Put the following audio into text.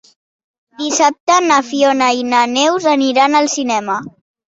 Dissabte na Fiona i na Neus aniran al cinema.